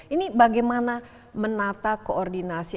ini bagaimana menata koordinasi